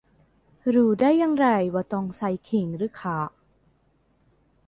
รู้ได้อย่างไรว่าต้องใส่ขิงหรือข่า